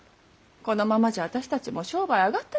このままじゃ私たちも商売上がったりでございます。